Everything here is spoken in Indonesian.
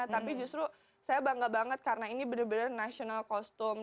tapi justru saya bangga banget karena ini benar benar national costum